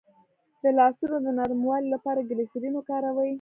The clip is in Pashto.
د لاسونو د نرموالي لپاره ګلسرین وکاروئ